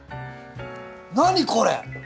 何これ？